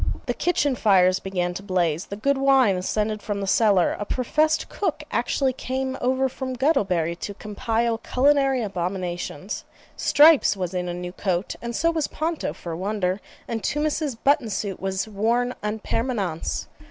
The kitchen fires began to blaze, the good wine ascended from the cellar, a professed cook actually came over from Guttlebury to compile culinary abominations. Stripes was in a new coat, and so was Ponto, for a wonder, and Tummus's button suit was worn EN PERMANENCE.